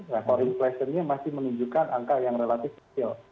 nah core inflation nya masih menunjukkan angka yang relatif kecil